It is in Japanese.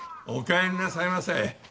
おかえりなさいませ。